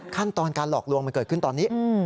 ขั้นตอนการหลอกลวงมันเกิดขึ้นตอนนี้